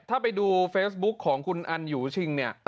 ถ้าไปดูเฟซบุ๊กของคุณอันหยูชิงเนี่ย